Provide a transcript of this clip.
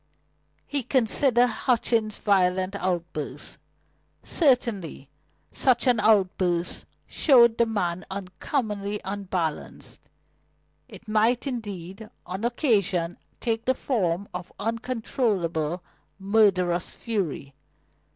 He considered Hutchings' violent outburst. Certainly such an outburst showed the man uncommonly unbalanced; it might, indeed, on occasion take the form of uncontrollable murderous fury.